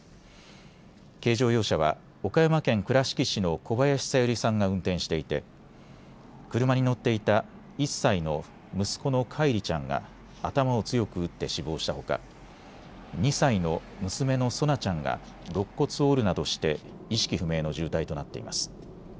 軽乗用車は岡山県倉敷市の小林小百合さんが運転していて車に乗っていた１歳の息子の叶一里ちゃんが頭を強く打って死亡したほか２歳の娘の蒼菜ちゃんがろっ骨を折るなどして意識不明の重体となっています。